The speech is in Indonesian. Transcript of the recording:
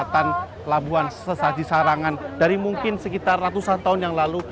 kehelatan labuhan sesaji sarangan dari mungkin sekitar ratusan tahun yang lalu